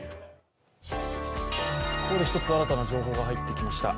ここで新たに１つ情報が入ってきました。